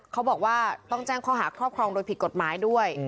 เขาบอกว่าต้องแจ้งข้อหาครอบครองโดยผิดกฎหมายด้วย